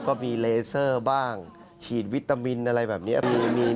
ก็มีเลเซอร์บ้างฉีดวิตามินอะไรแบบนี้